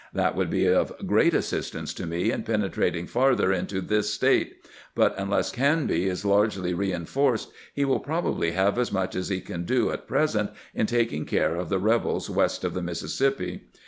That would be of great assis tance to me in penetrating farther into this State ; but unless Canby is largely reinforced, he will probably have as much as he can do at present in taking care of the rebels west of the Mississippi.